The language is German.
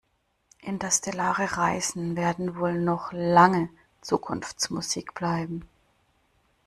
Interstellare Reisen werden wohl noch lange Zukunftsmusik bleiben.